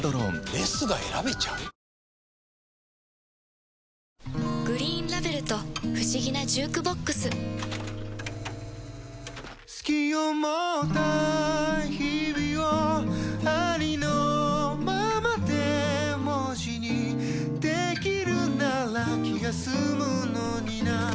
するとこの後「グリーンラベル」と不思議なジュークボックス“好き”を持った日々をありのままで文字にできるなら気が済むのにな